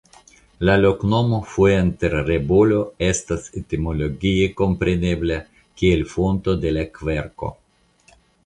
La loknomo "Fuenterrebollo" estas etimologie komprenebla kiel Fonto de la Kverko.